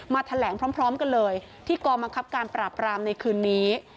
แถลงพร้อมกันเลยที่กองบังคับการปราบรามในคืนนี้